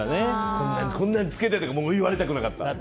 こんなのつけてとかも言われたくなかった。